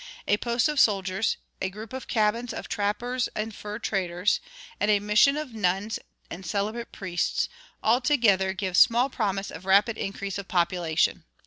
A post of soldiers, a group of cabins of trappers and fur traders, and a mission of nuns and celibate priests, all together give small promise of rapid increase of population.